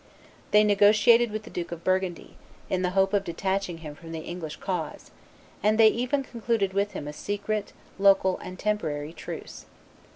They negotiated with the Duke of Burgundy, in the hope of detaching him from the English cause; and they even concluded with him a secret, local, and temporary truce.